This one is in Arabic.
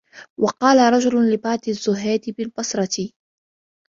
وَقَالَ رَجُلٌ لِبَعْضِ الزُّهَّادِ بِالْبَصْرَةِ